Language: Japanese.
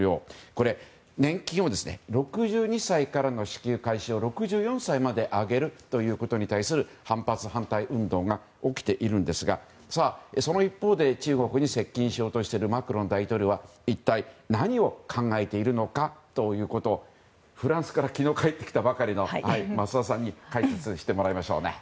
これ、年金を６２歳からの支給開始を６４歳まで上げるということに対する反発や反対運動が起きているんですがその一方で中国に接近しようとしているマクロン大統領は一体何を考えているのかということ昨日フランスから帰ってきたばかりの増田さんに解説してもらいましょう。